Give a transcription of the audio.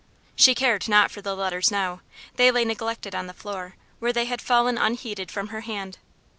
She cared not for the letters now; they lay neglected on the floor, where they had fallen unheeded from her hand.